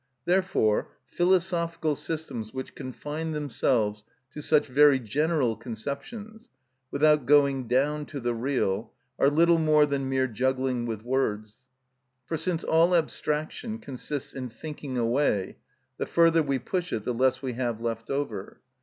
Therefore philosophical systems which confine themselves to such very general conceptions, without going down to the real, are little more than mere juggling with words. For since all abstraction consists in thinking away, the further we push it the less we have left over.